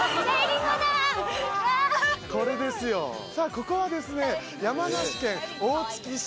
ここはですね、山梨県大月市。